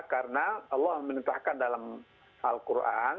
karena allah menuntahkan dalam al qur'an